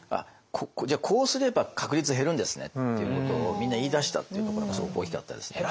じゃあこうすれば確率減るんですねっていうことをみんな言いだしたっていうところがすごく大きかったですね。